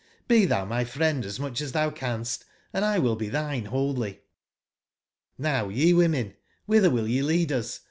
Be thou my friend as much as thou canst, and 1 will be thine wholly. J^ow ye worn en, whither will ye lead us?